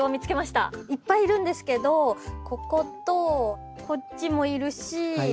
いっぱいいるんですけどこことこっちもいるし